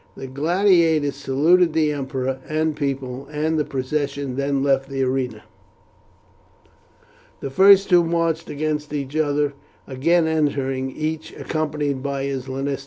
The gladiators saluted the emperor and people, and the procession then left the arena, the first two matched against each other again entering, each accompanied by his lanista.